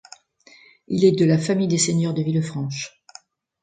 Il est de la famille des seigneurs de Villefranche.